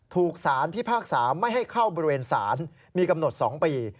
ถูกสารพิพากษาไม่ให้เข้าบริเวณศาลมีกำหนด๒ปี